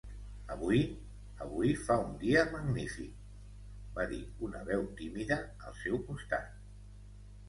"Avui... avui fa un dia magnífic!", va dir una veu tímida al seu costat.